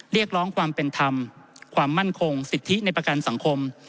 เรียกร้องความเป็นธรรมความมั่นคงสิทธิในประกันสังคม